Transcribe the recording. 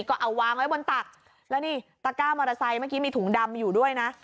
ก็เอาวางไว้บนตักแล้วนี่ตะก้ามอเตอร์ไซค์เมื่อกี้มีถุงดำอยู่ด้วยนะ